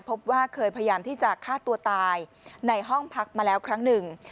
พบว่าเคยพยายามที่จะฆ่าตัวตายในห้องพักมาแล้วครั้งหนึ่ง